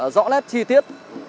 rõ lét chi tiết